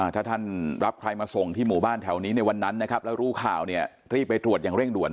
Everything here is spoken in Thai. ถ้าท่านรับใครมาส่งที่หมู่บ้านแถวนี้ในวันนั้นแล้วรู้ข่าวรีบไปตรวจอย่างเร่งด่วน